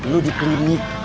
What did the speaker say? lu di klinik